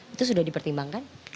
itu sudah dipertimbangkan